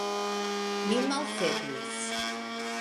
Mi malfermis.